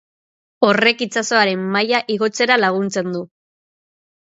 Horrek itsasoaren maila igotzera laguntzen du.